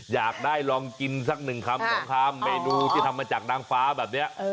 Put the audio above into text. อยากได้ลองกินสักหนึ่งคำสองคำเมนูที่ทำมาจากนางฟ้าแบบนี้